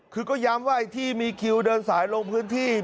คือก็ย้ำว่าไอ้ที่มีคิวเดินสายลงพื้นที่